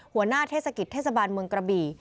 หัวหน้าเทศกิจเทศบาลเมืองกระบี่